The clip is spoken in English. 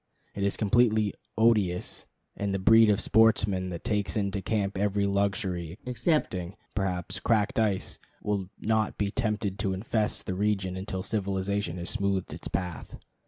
It is completely odious; and the breed of sportsmen that takes into camp every luxury excepting, perhaps, cracked ice, will not be tempted to infest the region until civilization has smoothed its path.